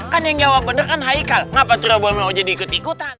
kan yang jawab beneran hai kalau ngapa terobong jadi ikut ikutan